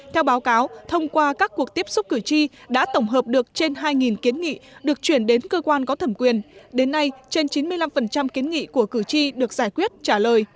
theo báo cáo thông qua các cuộc tiếp xúc cử tri đã tổng hợp được trên hai kiến nghị được chuyển đến cơ quan có thẩm quyền đến nay trên chín mươi năm kiến nghị của cử tri được giải quyết trả lời